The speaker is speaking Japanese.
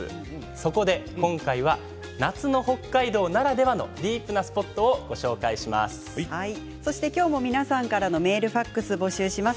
そこで今回は夏の北海道ならではのディープなスポットを今日も皆さんからのメール、ファックスを募集します。